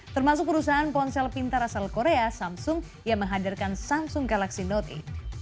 termasuk perusahaan ponsel pintar asal korea samsung yang menghadirkan samsung galaxy note delapan